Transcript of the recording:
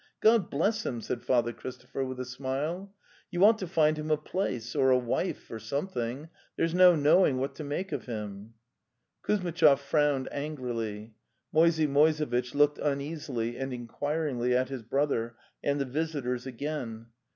God bless him!" said Father Christopher with a smile. '' You ought to find him a place or a wife or something. ... There's no knowing what to make of him. ..." Kuzmitchov frowned angrily. Moisey Moise vitch looked uneasily and inquiringly at his brother and the visitors again.